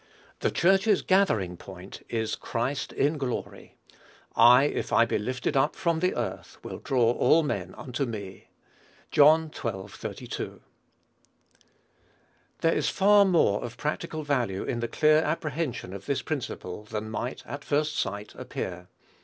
The Church's gathering point is Christ in glory. "I, if I be lifted up from the earth, will draw all men unto me." (John xii. 32.) There is far more of practical value in the clear apprehension of this principle than might, at first sight, appear.